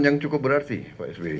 yang cukup berarti pak sby